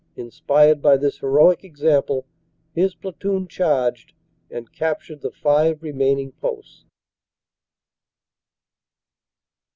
Inspired by this heroic example, his platoon charged and captured the five remaining posts.